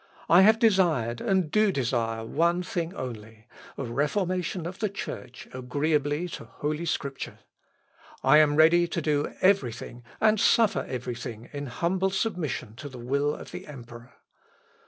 I have desired, and do desire one thing only a reformation of the Church agreeably to Holy Scripture. I am ready to do every thing and suffer every thing in humble submission to the will of the emperor.